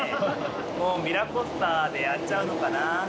もうミラコスタでやっちゃうのかな。